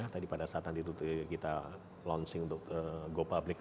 tadi pada saat nanti itu kita launching untuk gopublic